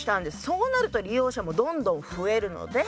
そうなると利用者もどんどん増えるので。